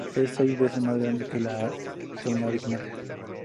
Es seis veces más grande que la terminal original.